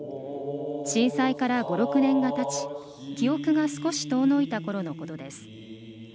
震災から５６年がたち、記憶が少し遠のいたころのことです。